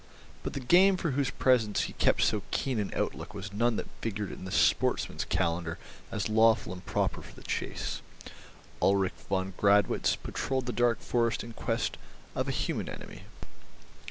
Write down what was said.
But the game for whose presence he kept so keen an outlook was none that figured in the sportsman's calendar as lawful and proper for the chase; Ulrich von Gradwitz patrolled the dark forest in quest of a human enemy.